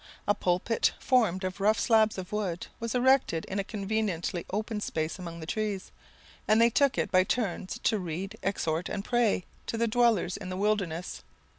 A pulpit, formed of rough slabs of wood, was erected in a conveniently open space among the trees, and they took it by turns to read, exhort, and pray, to the dwellers in the wilderness.